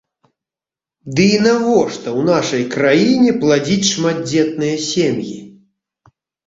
Ды і навошта ў нашай краіне пладзіць шматдзетныя сем'і?